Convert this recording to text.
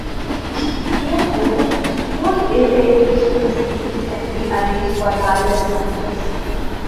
Near core, in-pool irradiation facilities can be arranged for larger samples.